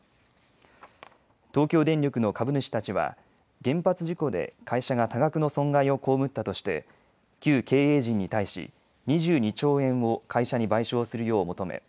東京電力の株主たちは原発事故で会社が多額の損害を被ったとして旧経営陣に対し２２兆円を会社に賠償するよう求め